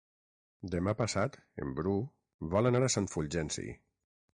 Demà passat en Bru vol anar a Sant Fulgenci.